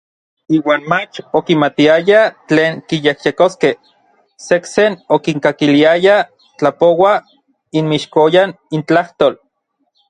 Iuan mach okimatiaya tlen kiyejyekoskej, sejsen okinkakiliayaj tlapouaj inmixkoyan intlajtol.